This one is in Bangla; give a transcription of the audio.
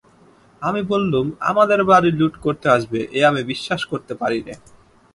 আমি বললুম, আমাদের বাড়ি লুট করতে আসবে এ আমি বিশ্বাস করতে পারি নে।